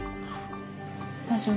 大丈夫？